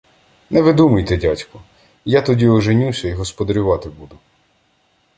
— Не видумуйте, дядьку! Я тоді оженюся і господарювати буду.